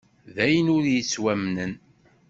D ayen ur yettwamnen!